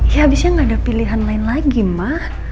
ya abisnya nggak ada pilihan lain lagi ma